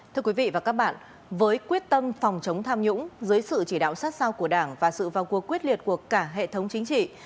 thưa quý vị và các bạn với quyết tâm phòng chống tham nhũng dưới sự chỉ đạo sát sao của đảng và sự vào cuộc quyết liệt của cả hệ thống chính trị